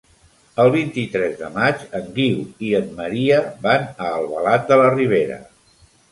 El vint-i-tres de maig en Guiu i en Maria van a Albalat de la Ribera.